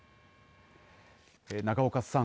永岡さん